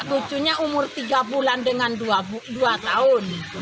lucunya umur tiga bulan dengan dua tahun